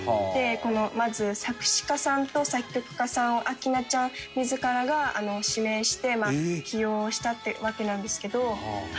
「まず作詞家さんと作曲家さんを明菜ちゃん自らが指名して起用したってわけなんですけど」